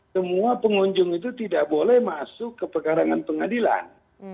semua pengunjung itu tidak boleh masuk ke pekarangan pengadilan